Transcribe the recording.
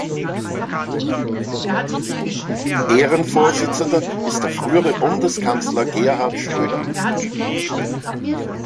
Ehrenvorsitzender ist der frühere Bundeskanzler Gerhard Schröder.